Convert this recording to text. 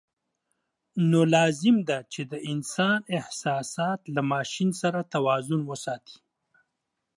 نو لازم ده چې د انسان احساسات له ماشین سره توازن وساتي.